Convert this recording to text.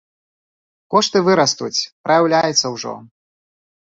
Кошты вырастуць, праяўляецца ўжо.